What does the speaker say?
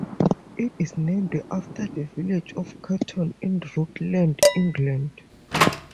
It is named after the village of Ketton in Rutland, England.